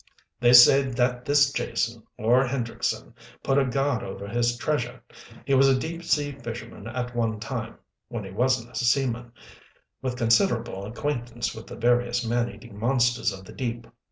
"They say that this Jason or Hendrickson put a guard over his treasure. He was a deep sea fisherman at one time, when he wasn't a seaman, with considerable acquaintance with the various man eating monsters of the deep.